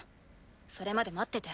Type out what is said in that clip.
それまで待ってて。